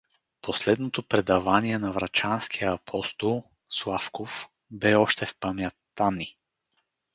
Последното предавание на врачанския апостол, Славков, бе още в памятта ни.